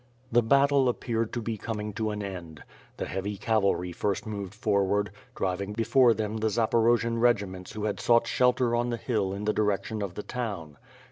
The battle appeared to be coming to an end. The heavy cavalry first moved forward, driving before them the Zaporo jian regiments who had sought shelter on the hill in the direction of the town.